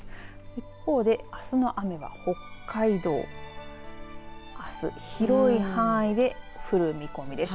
一方で、あすの雨は北海道あす広い範囲で降る見込みです。